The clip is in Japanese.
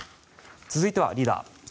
続いては、リーダー。